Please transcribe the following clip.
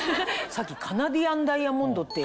さっきカナディアンダイヤモンドって。